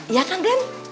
iya kan gen